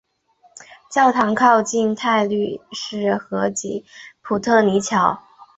教堂靠近泰晤士河及普特尼桥。